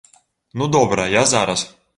Ну добра, я зараз.